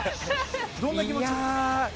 どんな気持ち？